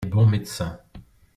les bons médecins.